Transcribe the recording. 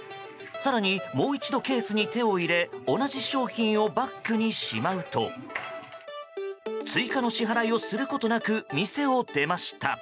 更に、もう一度ケースに手を入れ同じ商品をバッグにしまうと追加の支払いをすることなく店を出ました。